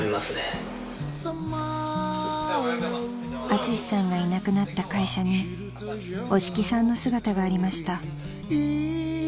［アツシさんがいなくなった会社に押木さんの姿がありました］